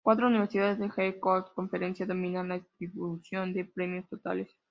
Cuatro universidades en la West Coast Conference dominan la distribución de premios totales.